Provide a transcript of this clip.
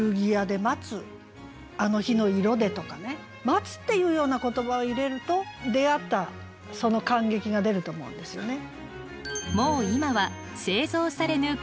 「待つ」っていうような言葉を入れると出会ったその感激が出ると思うんですよね。